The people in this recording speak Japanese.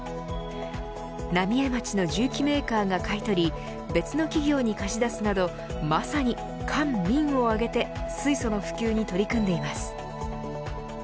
浪江町の重機メーカーが買い取り別の企業に貸し出すなどまさに官民を挙げて水素の普及に取り組んでいます。